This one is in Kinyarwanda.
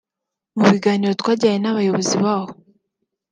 Mu biganiro twagiranye n’abayobozi baho